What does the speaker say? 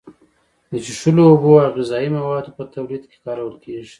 د څښلو اوبو او غذایي موادو په تولید کې کارول کیږي.